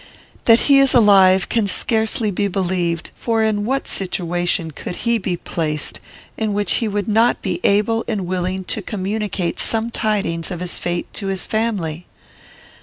That he is alive can scarcely be believed; for in what situation could he be placed in which he would not be able and willing to communicate some tidings of his fate to his family?